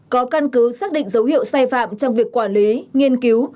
có căn cứ xác định dấu hiệu sai phạm trong việc quản lý nghiên cứu